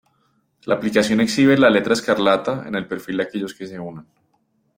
La aplicación exhibe la "Letra Escarlata" en el perfil de aquellos que se unan.